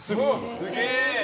すげえ！